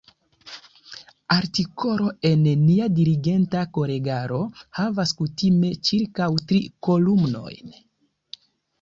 Artikolo en Nia diligenta kolegaro havas kutime ĉirkaŭ tri kolumnojn.